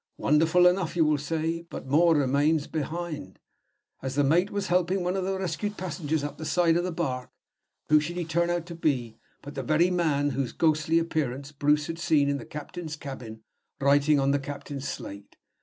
Wonderful enough, you will say; but more remains behind. As the mate was helping one of the rescued passengers up the side of the bark, who should he turn out to be but the very man whose ghostly appearance Bruce had seen in the captain's cabin writing on the captain's slate!